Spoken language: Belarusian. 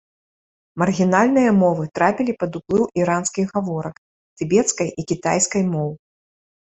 Маргінальныя мовы трапілі пад уплыў іранскіх гаворак, тыбецкай і кітайскай моў.